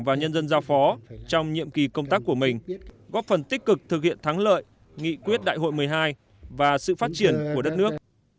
và nhân dân giao phó trong nhiệm kỳ công tác của mình góp phần tích cực thực hiện thắng lợi nghị quyết đại hội một mươi hai và sự phát triển của đất nước